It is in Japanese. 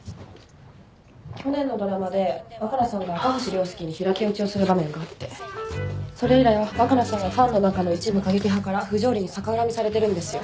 去年のドラマで若菜さんが明星涼介に平手打ちをする場面があってそれ以来若菜さんはファンの中の一部過激派から不条理に逆恨みされてるんですよ。